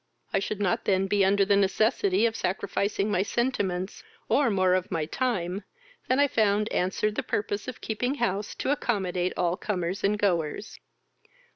I should not then be under the necessity of sacrificing my sentiments, or more of my time, than I found answered the purpose of keeping house to accommodate all comers and goers."